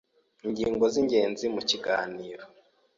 INGINGO Z’ INGENZI MU KIGANIRO: